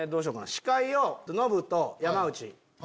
司会をノブと山内。